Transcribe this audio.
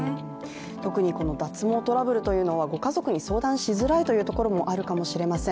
特にこの脱毛トラブルというのはご家族に相談しづらいというところもあるかもしれません。